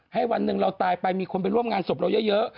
ให้วันหนึ่งเราตายไปมีคนไปร่วมงานศพเราเยอะ